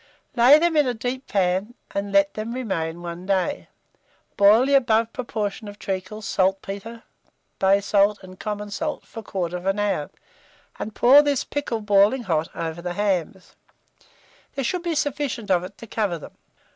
Lay them in a deep pan, and let them remain one day; boil the above proportion of treacle, saltpetre, bay salt, and common salt for 1/4 hour, and pour this pickle boiling hot over the hams: there should be sufficient of it to cover them.